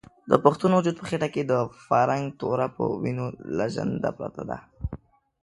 د پښتون وجود په خېټه کې د فرنګ توره په وینو لژنده پرته ده.